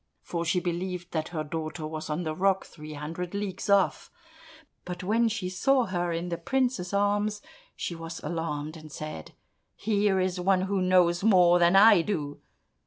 for she believed that her daughter was on the rock three hundred leagues off. But when she saw her in the prince's arms, she was alarmed, and said, "Here is one who knows more than I do!"